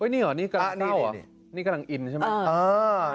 นี่เหรอนี่กำลังเข้าเหรอนี่กำลังอินใช่ไหมอ้าวอ้าวอ้าวอ้าวอ้าวอ้าว